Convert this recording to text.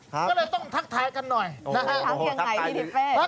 ก็เลยต้องทักทายกันหน่อยนะฮะทักทายอย่างไรนี่ดิแฟน